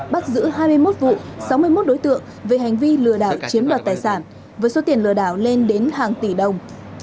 bắt giữ hai mươi một vụ sáu mươi một đối tượng về hành vi lừa đảo chiếm đoạt tài sản với số tiền lừa đảo lên đến hàng tỷ đồng